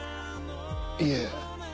いいえ。